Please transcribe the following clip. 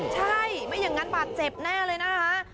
ใช่ไม่อย่างนั้นบาดเจ็บแน่เลยนะคะ